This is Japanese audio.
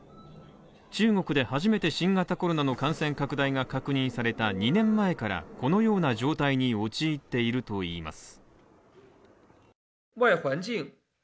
中国で初めて新型コロナの感染拡大が確認された２年前から、このような状態に陥っているといいます。